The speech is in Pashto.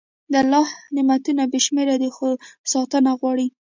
د الله نعمتونه بې شمېره دي، خو ساتنه غواړي.